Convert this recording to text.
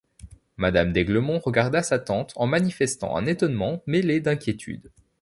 Madame d’Aiglemont regarda sa tante en manifestant un étonnement mêlé d’inquiétude.